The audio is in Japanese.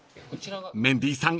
［メンディーさん